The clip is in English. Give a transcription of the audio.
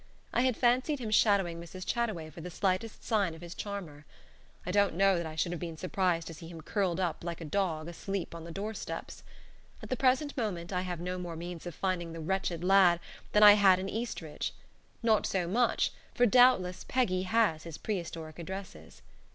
I had fancied him shadowing Mrs. Chataway for the slightest sign of his charmer. I don't know that I should have been surprised to see him curled up, like a dog, asleep on the door steps. At the present moment I have no more means of finding the wetched lad than I had in Eastridge; not so much, for doubtless Peggy has his prehistoric addresses.